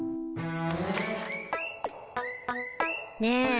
ねえ